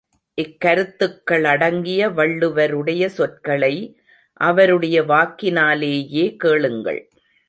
இக் கருத்துக்களடங்கிய வள்ளுவருடைய சொற்களை அவருடைய வாக்கினாலேயே கேளுங்கள்.